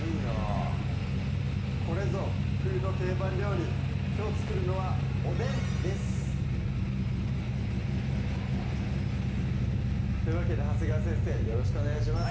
これぞ「冬の定番料理」きょう作るのは「おでん」ですというわけで長谷川先生よろしくお願いします